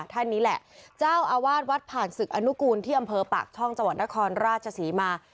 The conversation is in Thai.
ท่านนี้แหละเจ้าอาวาสวัดผ่านศึกอนุกูลที่อำเภอปากช่องจังหวัดนครราชศรีมา